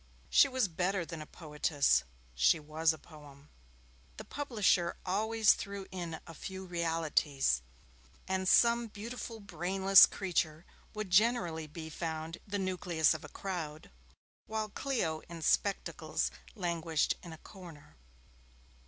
She was better than a poetess, she was a poem. The publisher always threw in a few realities, and some beautiful brainless creature would generally be found the nucleus of a crowd, while Clio in spectacles languished in a corner.